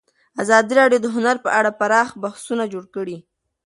ازادي راډیو د هنر په اړه پراخ بحثونه جوړ کړي.